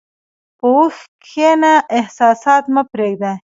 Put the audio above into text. په هوښ کښېنه، احساسات مه پرېږده.